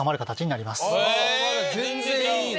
全然いいな。